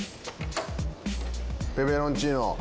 ペペロンチーノ。